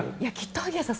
萩谷さん